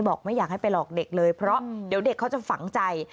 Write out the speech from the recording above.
ไม่อยากให้ไปหลอกเด็กเลยเพราะเดี๋ยวเด็กเขาจะฝังใจ